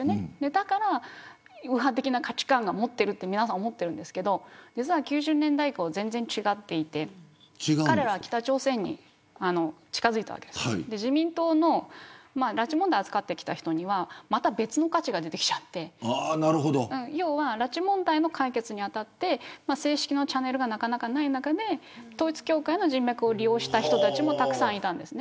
だから右派的な価値観を持っていると皆さん思っているんですけど実は９０年代以降全然違っていて彼らは北朝鮮に近づいたわけです自民党の拉致問題を扱ってきた人にはまた別の価値が出てきちゃって要は拉致問題の解決に当たって正式なチャネルがなかなかない中で統一教会の人脈を利用した人たちも、たくさんいたんです。